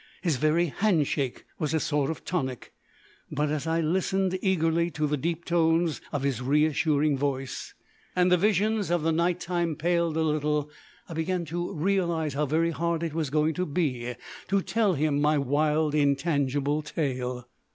His very handshake was a sort of tonic. But, as I listened eagerly to the deep tones of his reassuring voice, and the visions of the night time paled a little, I began to realise how very hard it was going to be to tell him my wild intangible tale.